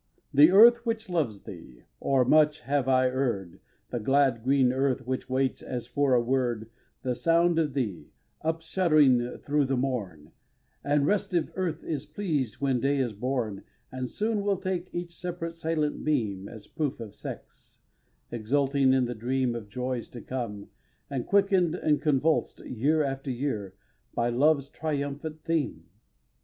iii. The earth which loves thee, or I much have err'd, The glad, green earth which waits, as for a word, The sound of thee, up shuddering through the morn, The restive earth is pleased when Day is born, And soon will take each separate silent beam As proof of sex, exulting in the dream Of joys to come, and quicken'd and convuls'd, Year after year, by love's triumphant theme.